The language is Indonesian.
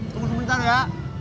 tunggu sebentar ya